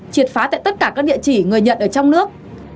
triệt phá tại tất cả các địa chỉ người nhận ở trong nước